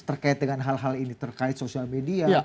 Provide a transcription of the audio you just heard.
terkait dengan hal hal ini terkait sosial media